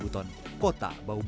perjalanan menapaki peradaban islam